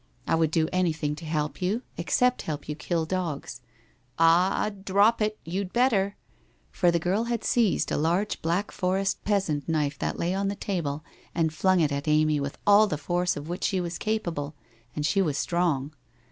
I would do anything to help yon, except help you to kill dogs. ... Ah h ! Drop it !' You'd better !» For the girl had seized a large Black Forest peasant knife that lay on the table and flung it at Amy with all the force of which she was capable, and she was strong.